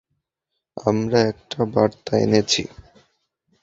আমরা একটা বার্তা এনেছি।